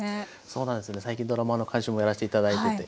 そうなんですよね最近ドラマの監修もやらせて頂いてて。